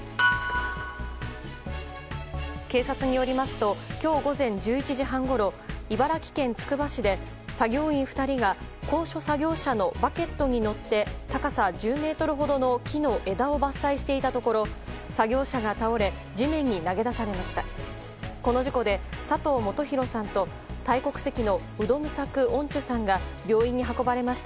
警察によりますと今日午前１１時半ごろ茨城県つくば市で作業員２人が高所作業車のバケットに乗って高さ１０ｍほどの木の枝を伐採していたところ作業車が倒れ地面に投げ出されました。